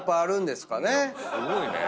すごいね。